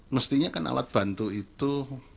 mestinya kan alat bantu itu bisa memperbaiki